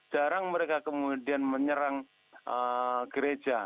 jarang mereka kemudian menyerang gereja